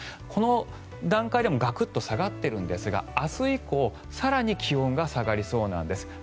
この段階でもガクッと下がっているんですが明日以降更に気温が下がりそうなんです。